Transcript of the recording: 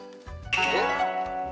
えっ？